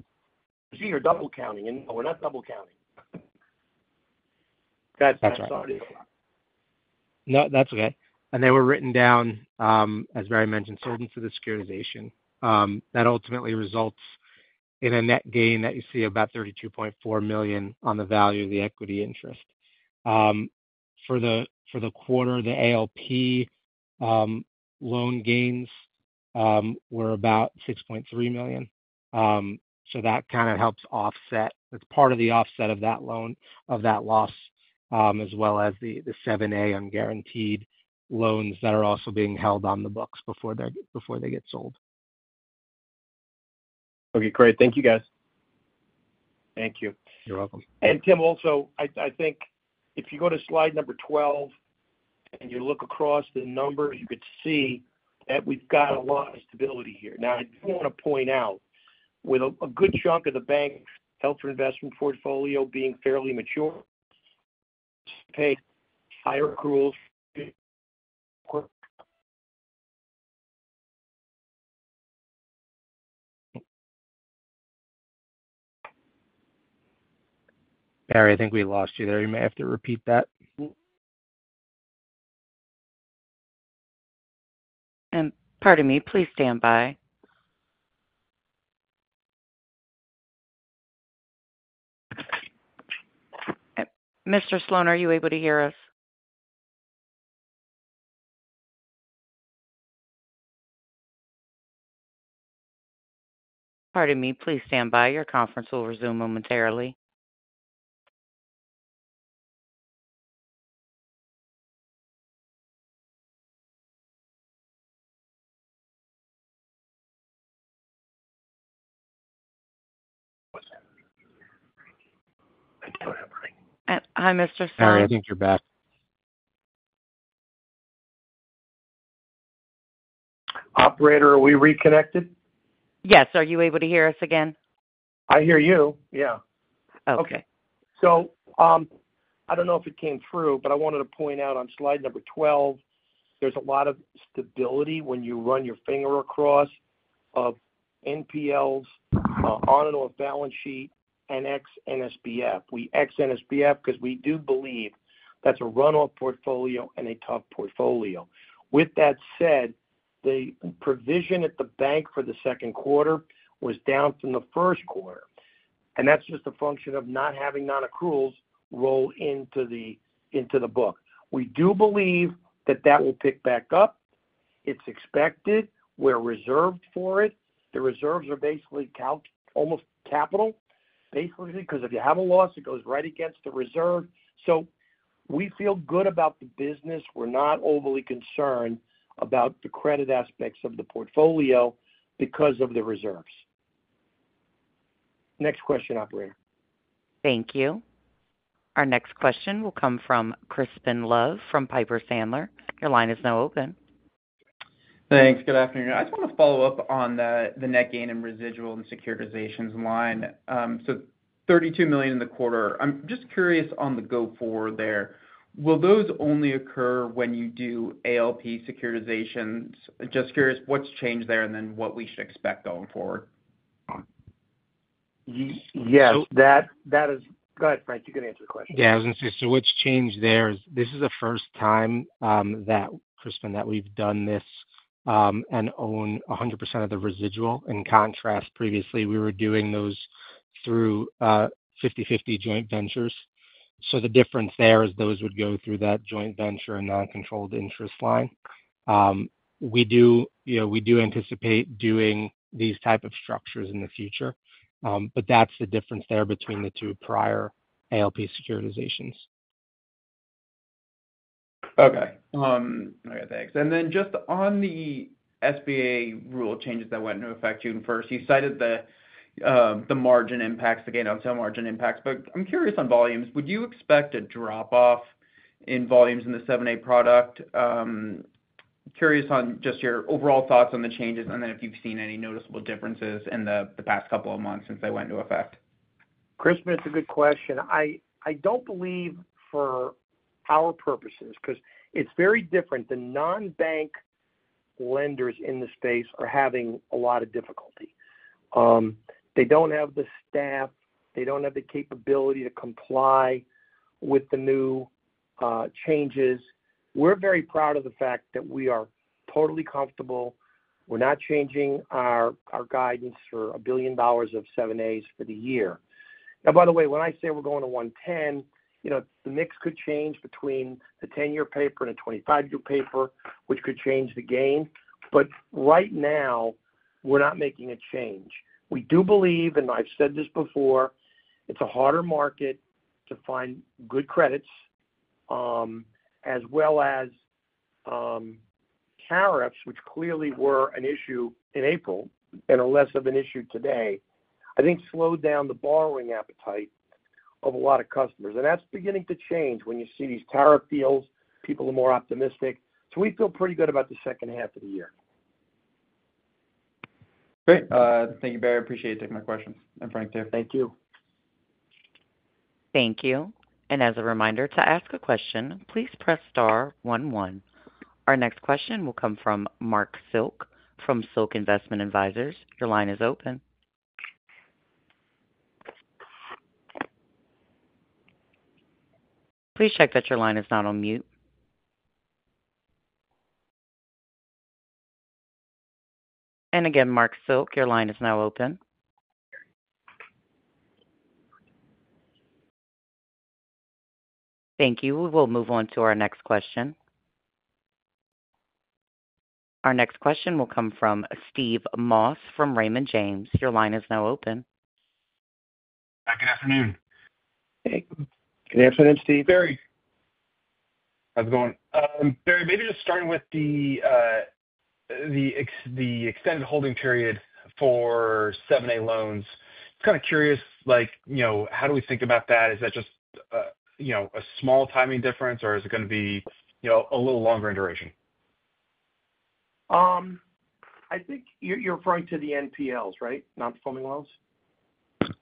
you're double counting and we're not double counting.
No, that's okay. They were written down, as Barry mentioned, sold into the securitization that ultimately results in a net gain that you see, about $32.4 million on the value of the equity interest for the quarter. The ALP loan gains were about $6.3 million. That kind of helps offset. It's part of the offset of that loss as well as the 7(a) unguaranteed loans that are also being held on the books before they get sold.
Okay, great. Thank you, guys.
Thank you.
You're welcome.
If you go to slide number 12 and you look across the numbers, you could see that we've got a lot of stability here. I do want to point out, with a good chunk of the bank health or investment portfolio being fairly mature. Higher accru.
Barry, I think we lost you there. You may have to repeat that.
Pardon me, please stand by. Mr. Sloane, are you able to hear us? Pardon me, please stand by. Your conference will resume momentarily. Hi, Mr Sloane.
Barry, I think you're back.
Operator, are we reconnected?
Yes, are you able to hear us again?
I hear you, yeah. Okay, I don't know if it came through, but I wanted to point out on slide number 12, there's a lot of stability when you run your finger across NPLs on and off balance sheet and ex NSBF. We ex NSBF because we do believe that's a runoff portfolio and a tough portfolio. With that said, the provision at the bank for the second quarter was down from the first quarter, and that's just a function of not having non-accruals roll into the book. We do believe that will pick back up. It's expected. We're reserved for it. The reserves are basically almost capital, basically because if you have a loss it goes right against the reserve. We feel good about the business. We're not overly concerned about the credit aspects of the portfolio because of the reserves. Next question. Operator.
Thank you. Our next question will come from Crispin Love from Piper Sandler. Your line is now open.
Thanks. Good afternoon. I just want to follow up on the net gain and residual and securitizations line. $32 million in the quarter. I'm just curious on the go forward there, will those only occur when you do ALP securitization? I'm just curious what's changed there and then what we should expect going forward.
Yes, that is good. Frank, you can answer.
Yeah, I was going to say what's changed there is this is the first time that we've done this and own 100% of the residual. In contrast, previously we were doing those through 50/50 joint ventures. The difference there is those would go through that joint venture and non-controlled interest line. We do anticipate doing these type of structures in the future. That's the difference there between the. Two prior ALP securitizations.
Okay, thanks. On the SBA rule changes that went into effect June 1st, you cited the margin impacts, the gain on sale margin impacts. I'm curious on volumes, would you expect a drop off in volumes in the 7(a) product? I'm curious on just your overall thoughts on the changes and if you've seen any noticeable differences in the past couple of months since they went into effect.
Crispin, it's a good question. I don't believe for our purposes because it's very different. The non-bank lenders in the space are having a lot of difficulty. They don't have the staff, they don't have the capability to comply with the new changes. We're very proud of the fact that we are totally comfortable. We're not changing our guidance for $1 billion of 7(a) for the year. By the way, when I say we're going to $110 million, you know the mix could change between a 10-year paper and a 25-year paper, which could change the gain. Right now we're not making a change. We do believe, and I've said this before, it's a harder market to find good credits as well as tariffs, which clearly were an issue in April and less of an issue today. I think that slowed down the borrowing appetite of a lot of customers, and that's beginning to change. When you see these tariff deals, people are more optimistic. We feel pretty good about the second half of the year.
Great, thank you, Barry. I appreciate you taking my question. Frank DeMaria, thank you.
Thank you. As a reminder to ask a question, please press star one one. Our next question will come from Mark Silk from Silk Investment Advisors. Your line is open. Please check that your line is not on mute. Mark Silk, your line is now open. Thank you. We will move on to our next question. Our next question will come from Steve Moss from Raymond James. Your line is now open.
Good afternoon.
Good afternoon, Steve.
Barry.
How's it going?
Barry, maybe just starting with the. Extended holding period for seven loans. Kind of curious, like, you know, how do we think about that? Is that just, you know, a small timing difference, or is it going to be, you know, a little longer in duration?
I think you're referring to the NPLs, right? Not the foaming wells?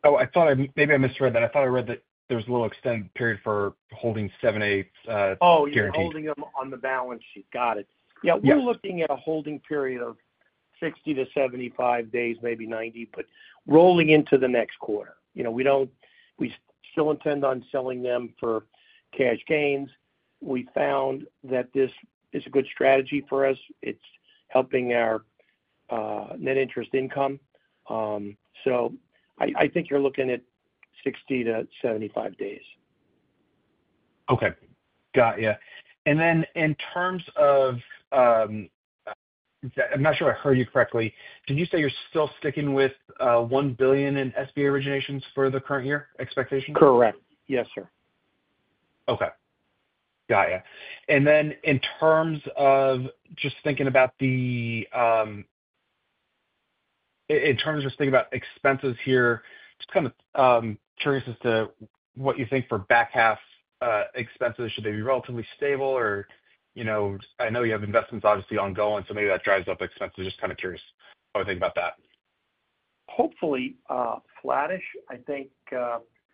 Oh, I thought I maybe I misread that. I thought I read that there's a. Little extended period for holding 7(a).
Oh, you're holding them on the balance sheet. Got it. We're looking at a holding period of 60-75 days, maybe 90. Rolling into the next quarter, we still intend on selling them for cash gains. We found that this is a good strategy for us. It's helping our net interest income. I think you're looking at 60-75 days.
Okay, got you. In terms of, I'm not sure I heard you correctly. Did you say you're still sticking with $1 billion in SBA originations for the current year expectations?
Correct. Yes, sir.
Okay, got it. In terms of just thinking about the. In terms of thinking about expenses here, just kind of curious as to what you think for back half expenses? Should they be relatively stable? or, you know, I know you have investments obviously ongoing, so maybe that drives up expenses. Just kind of curious how to think about that.
Hopefully flattish. I think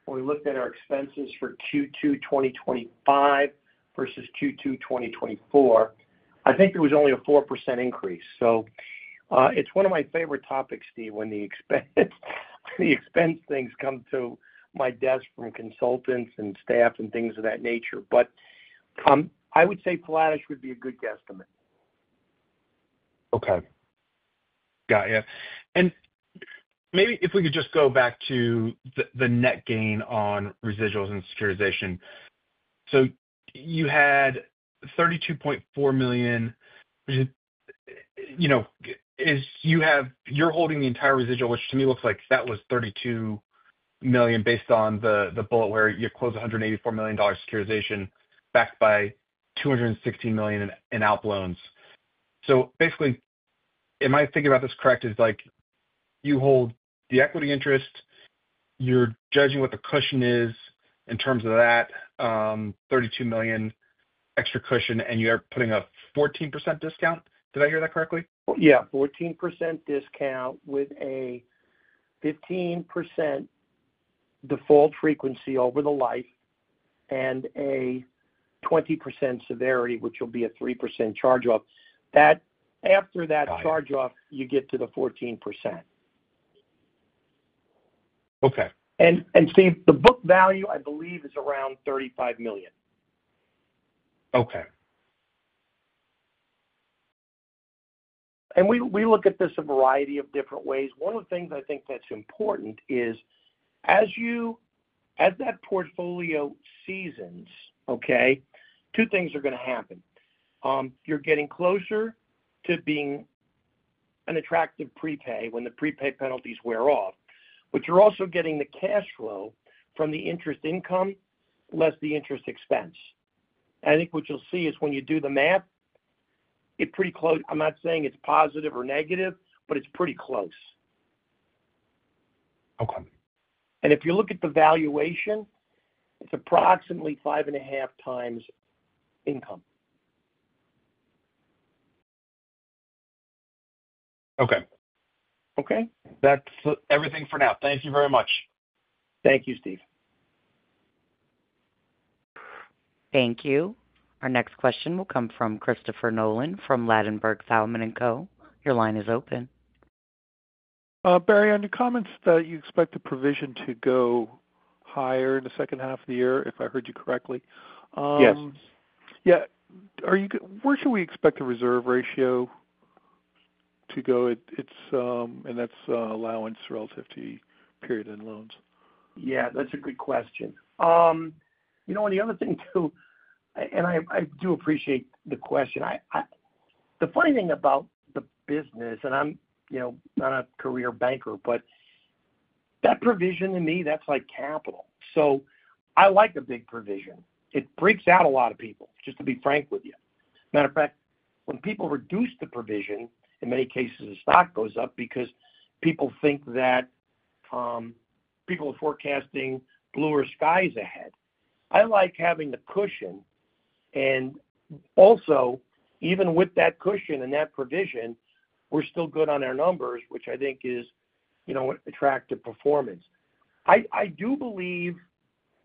when we looked at our expenses for Q2 2025 versus Q2 2024, I think there was only a 4% increase. It's one of my favorite topics, Steve, when the expense things come to my desk from consultants and staff and things of that nature. I would say flattish would be a good guesstimate.
Okay, got you. Maybe if we could just go back to the net gain on residuals and securitization. You had $32.4 million. You are holding the entire residual, which to me looks like that was $32 million based on the bullet where you closed a $184 million securitization backed by $216 million in out loans. Basically, am I thinking about this correct? You hold the equity interest. You are judging what the cushion is in terms of that $32 million extra cushion, and you are putting a 14% discount, did. I hear that correctly?
Yeah, 14% discount with a 15% default frequency over the life and a 20% severity, which will be a 3% charge-off. After that charge-off, you get to the 14%.
Okay.
Steve, the book value, I believe, is around $35 million.
Okay.
We look at this a variety of different ways. One of the things I think that's important is as that portfolio seasons, two things are going to happen. You're getting closer to being an attractive prepay when the prepay penalties wear off. You're also getting the cash flow from the interest income, less the interest expense. I think what you'll see is when you do the math, it's pretty close. I'm not saying it's positive or negative, but it's pretty close. If you look at the valuation, it's approximately 5.5x income.
Okay.
Okay.
That's everything for now. Thank you very much.
Thank you, Steve.
Thank you. Our next question will come from Christopher Nolan from Ladenburg Thalmann & Co. Your line is open,
Barry, on your Comments that you expect the provision to go higher in the second half of the year, if I heard you correctly.
Yes.
Yeah. Where should we expect the reserve ratio to go? That's allowance relative to period end loans?
Yeah, that's a good question. You know, the other thing too, and I do appreciate the question. The funny thing about the business, and I'm not a career banker, but that provision, to me, that's like capital. I like a big provision, it breaks out a lot of people, just to be frank with you. Matter of fact, when people reduce the provision, in many cases the stock goes up because people think that people are forecasting bluer skies ahead. I like having the cushion. Also, even with that cushion and that provision, we're still good on our numbers, which I think is attractive performance. I do believe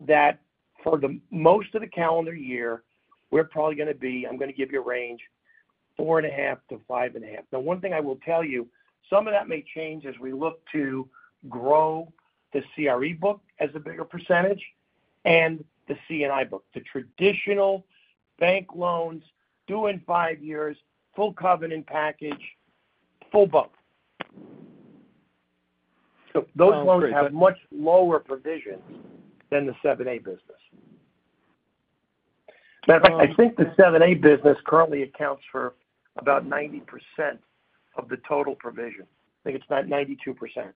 that for most of the calendar year we're probably going to be, I'm going to give you a range, 4.5%-5.5% now. One thing I will tell you, some of that may change as we look to grow the CRE book as a bigger percentage and the CNI book. The traditional bank loans due in five years. Full covenant package, full. Both those loans have much lower provisions than the 7(a) business. I think the 7(a) business currently accounts for about 90% of the total provision. I think it's 92%.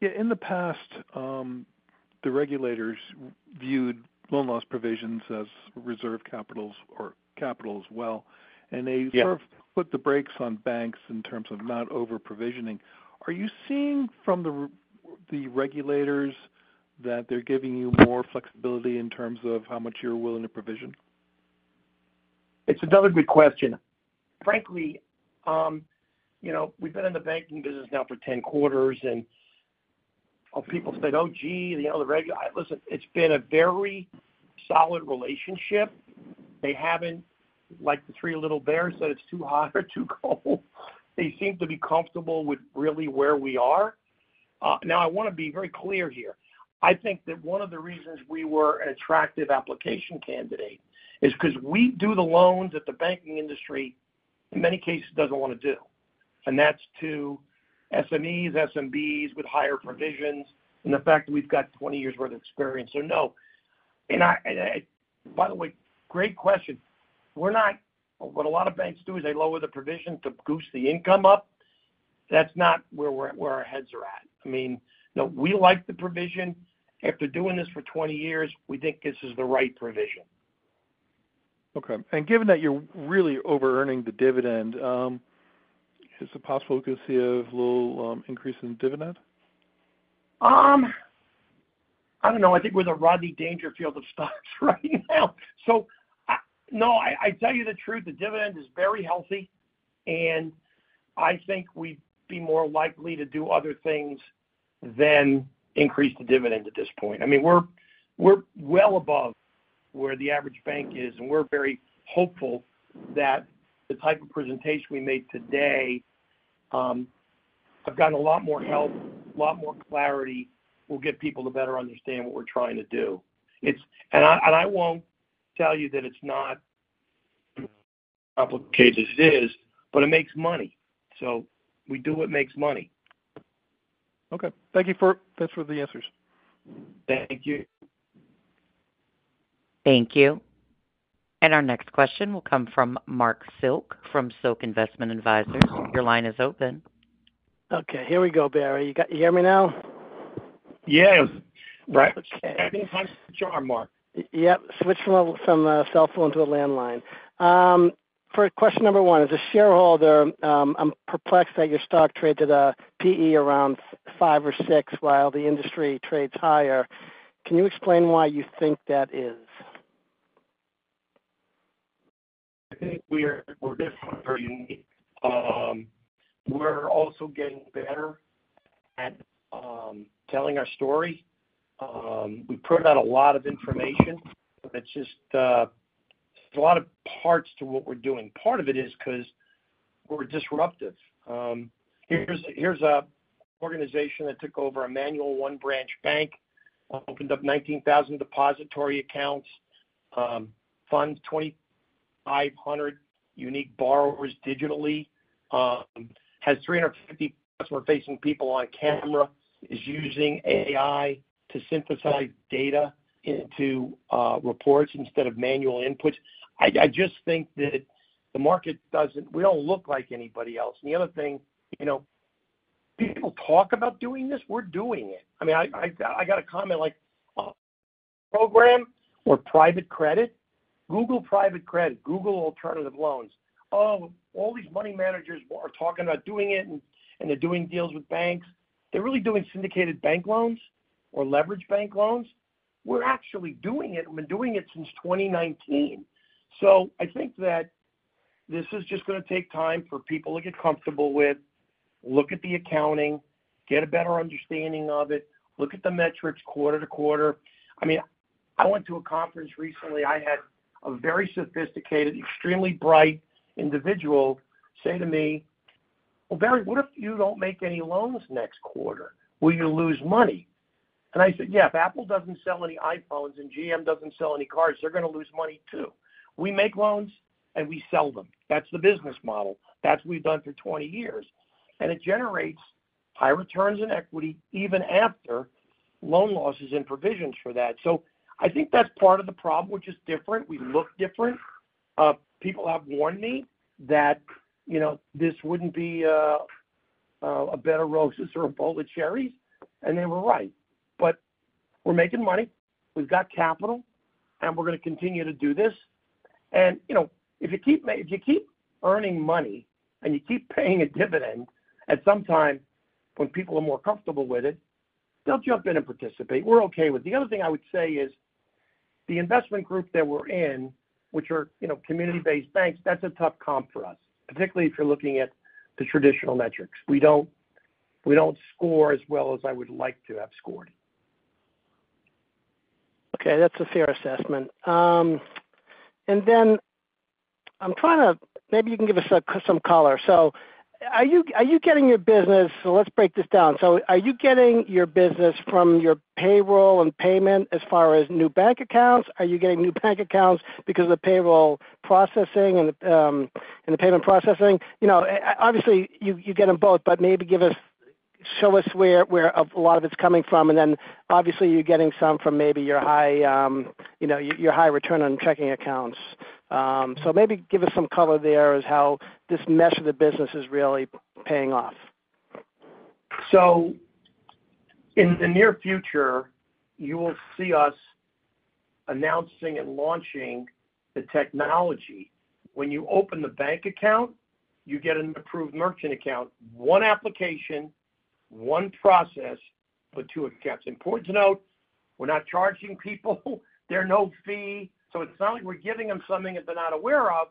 Yeah. In the past, the regulators viewed loan loss provisions as reserve capital or capital as well. They sort of put the brakes on banks in terms of not over provisioning. Are you seeing from the regulators that they're giving you more flexibility in terms of how much you're willing to provision?
It's another good question, frankly. You know, we've been in the banking business now for 10 quarters and people said, oh gee, the other regular. Listen, it's been a very solid relationship. They haven't, like the three little bears said, it's too hot or too cold. They seem to be comfortable with really where we are now. I want to be very clear here. I think that one of the reasons we were an attractive application candidate is because we do the loan that the banking industry in many cases doesn't want to do. That's to SMEs, SMBs with higher provisions and the fact that we've got 20 years worth of experience or no, and by the way, great question. We're not. What a lot of banks do is they lower the provision to go the income up. That's not where we're at, where our heads are at. I mean, we like the provision. After doing this for 20 years, we think this is the right provision.
Okay. Given that you're really over earning the dividend, is it possible we could see a little increase in dividend?
I don't know. I think we're the Rodney Dangerfield of stocks right now. The dividend is very healthy and I think we'd be more likely to do other things than increase the dividend at this point. I mean, we're well above where the average bank is and we're very hopeful that the type of presentation we made today, I've gotten a lot more help, a lot more clarity, will get people to better understand what we're trying to do. I won't tell you that it's not complicated as it is, but it makes money. We do what makes money.
Okay, thank you, thanks for the answers.
Thank you.
Thank you. Our next question will come from Mark Silk from Silk Investment Advisors. Your line is open.
Okay, here we go. Barry, you hear me now?
Yeah, right. Anytime. Twist your arm, Mark.
Yep. Switch from a cell phone to a landline for question number one. As a shareholder I'm perplexed that your stock trades to the P/E around 5x or 6x while the industry trades higher. Can you explain why you think that is?
We are also getting better at telling our story. We put out a lot of information. It's just a lot of parts to what we're doing. Part of it is because we're disruptive. Here's an organization that took over a manual, one branch bank, opened up 19,000 depository accounts, funded 2,500 unique borrowers digitally, has 350 customer-facing people on camera, and is using AI to synthesize data into reports instead of manual inputs. I just think that the market doesn't, we don't look like anybody else. The other thing, you know, we'll talk about doing this. We're doing it. I mean, I got a comment like program or private credit? Google private credit. Google alternative loans. All these money managers are talking about doing it and they're doing deals with banks. They're really doing syndicated bank loans or leveraged bank loans. We're actually doing it. We've been doing it since 2019. I think that this is just going to take time for people to get comfortable with. Look at the accounting, get a better understanding of it. Look at the metrics, quarter to quarter. I went to a conference recently. I had a very sophisticated, extremely bright individual say to me, "Barry, what if you don't make any loans next quarter, will you lose money?" I said, "Yeah, if Apple doesn't sell any iPhones and GM doesn't sell any cars, they're going to lose money too." We make loans and we sell them. That's the business model. That's what we've done for 20 years, and it generates high returns in equity even after loan losses and provisions for that. I think that's part of the problem, which is different. We look different. People have warned me that this wouldn't be a bed of roses or a bowl of cherries, and they were right. We're making money, we've got capital, and we're going to continue to do this. If you keep earning money and you keep paying a dividend, at some time when people are more comfortable with it, they'll jump in and participate. We're okay with that. The other thing I would say is the investment group that we're in, which are community-based banks. That's a tough comp for us, particularly if you're looking at the traditional metrics. We don't score as well as I would like to have scored.
Okay, that's a fair assessment. I'm trying to, maybe you can give us some color. Are you getting your business, let's break this down. Are you getting your business from. Your payroll and payment As far as new bank accounts? Are you getting new bank accounts because of the payroll processing and the payment processing? Obviously you get them both, but maybe give us, show us where a lot of it's coming from. Obviously you're getting some from maybe your high, you know, your high return on checking accounts. Maybe give us some color there as how this mesh of the business is really paying off.
In the near future you will see us announcing and launching the technology. When you open the bank account, you get an approved merchant account. One application, one process, but two accounts. Important to note, we're not charging people, they're no fee. It's not like we're giving them something that they're not aware of.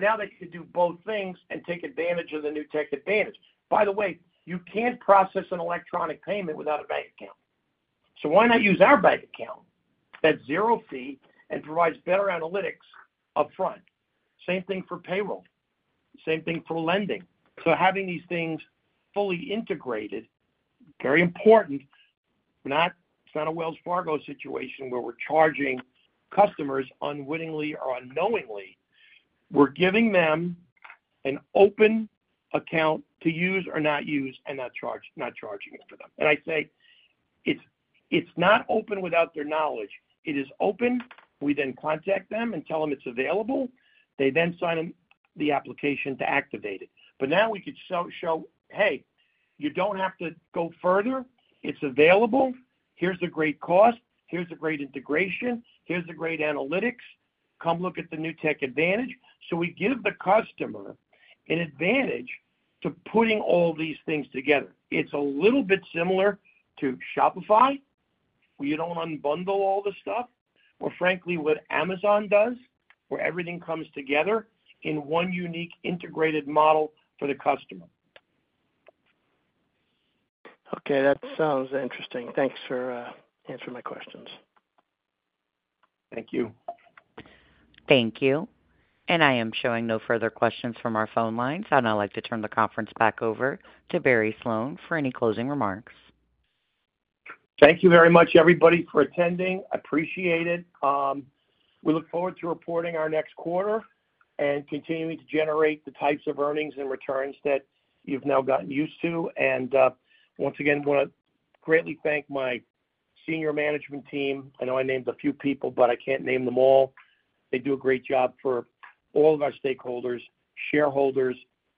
Now they could do both things and take advantage of the Newtek Advantage. By the way, you can't process an electronic payment without a bank account. Why not use our bank account? That's zero fee and provides better analytics upfront. Same thing for payroll, same thing for lending. Having these things fully integrated is very important. It's not a Wells Fargo situation where we're charging customers unwittingly or unknowingly. We're giving them an open account to use or not use and not charging it for them. I think it's not open without their knowledge. It is open. We then contact them and tell them it's available. They then sign the application to activate it. Now we could show, hey, you don't have to go further, it's available. Here's a great cost, here's a great integration, here's a great analytics. Come look at the Newtek Advantage. We give the customer an advantage to putting all these things together. It's a little bit similar to Shopify. You don't unbundle all the stuff or, frankly, what Amazon does, where everything comes together in one unique, integrated model for the customer.
Okay, that sounds interesting. Thanks for answering my questions.
Thank you.
Thank you. I am showing no further questions from our phone lines. I would now like to turn the conference back over to Barry Sloane for any closing remarks.
Thank you very much, everybody, for attending. Appreciate it. We look forward to reporting our next quarter and continuing to generate the types of earnings and returns that you've now gotten used to. Once again, want to greatly thank my Senior Management Team. I know I named a few people, but I can't name them all. They do a great job for all of our stakeholders, shareholders,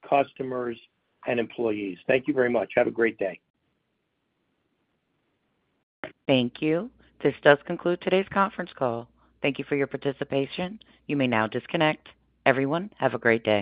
customers, and employees. Thank you very much. Have a great day.
Thank you. This does conclude today's conference call. Thank you for your participation. You may now disconnect, everyone. Have a great day.